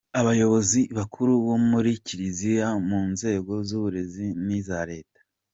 Abayobozi bakuru muri kiliziya, mu nzego z’uburezi n’iza Leta.